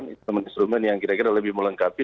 instrumen instrumen yang kira kira lebih melengkapi